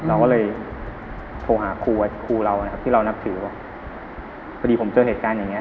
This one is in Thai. เราก็เลยโทรหาครูเรานะครับที่เรานับถือว่าพอดีผมเจอเหตุการณ์อย่างเงี